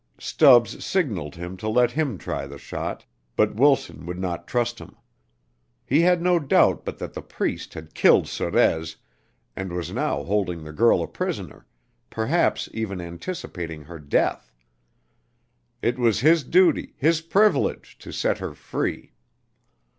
Stubbs signaled him to let him try the shot, but Wilson would not trust him. He had no doubt but that the Priest had killed Sorez and was now holding the girl a prisoner, perhaps even anticipating her death. It was his duty, his privilege, to set her free.